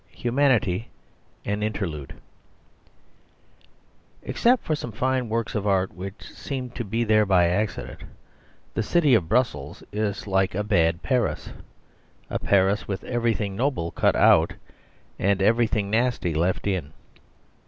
Humanity: an Interlude Except for some fine works of art, which seem to be there by accident, the City of Brussels is like a bad Paris, a Paris with everything noble cut out, and everything nasty left in.